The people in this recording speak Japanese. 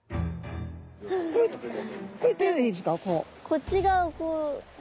こっち側をこう。